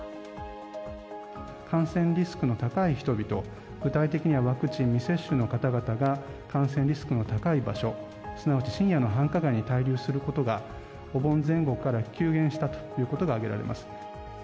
感染リスクの高い人々、具体的にはワクチン未接種の方々が、感染リスクの高い場所、すなわち深夜の繁華街に滞留することが、お盆前後から急減したということが挙げられます。